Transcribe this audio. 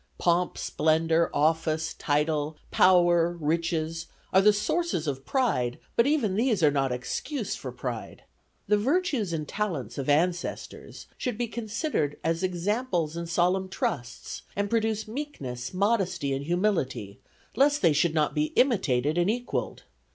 Pomp, splendor, office, title, power, riches are the sources of pride, but even these are not excuse for pride. The virtues and talents of ancestors should be considered as examples and solemn trusts and produce meekness, modesty, and humility, lest they should not be imitated and equalled.